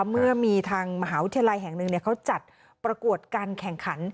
เมื่อมีทางมหาวิทยาลัยแห่งหนึ่งเขาจัดประกวดการแข่งขัน